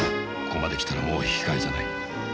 ここまで来たらもう引き返さない。